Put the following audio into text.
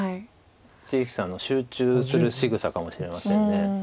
一力さんの集中するしぐさかもしれません。